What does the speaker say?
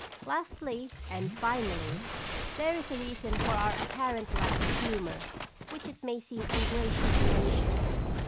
Lastly and finally, there is a reason for our apparent lack of humor, which it may seem ungracious to mention.